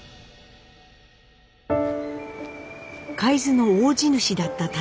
海津の大地主だった舘